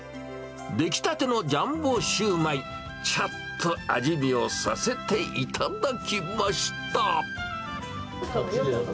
出来たてのジャンボシューマイ、ちょっと味見をさせていただきました。